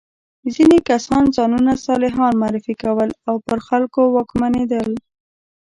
ځینې کسان ځانونه صالحان معرفي کول او پر خلکو واکمنېدل.